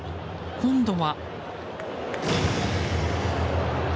今度は。